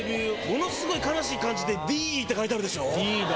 ものすごい悲しい感じで「Ｄ」って書いてあるでしょ？